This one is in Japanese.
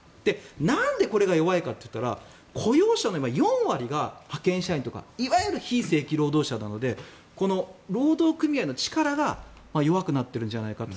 なんでこれが弱いかといったら雇用者の４割が派遣社員というかいわゆる非正規労働者なのでこの労働組合の力が弱くなっているんじゃないかと。